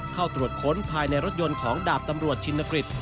เข้าตรวจค้นภายในรถยนต์ของดาบตำรวจชินกฤษ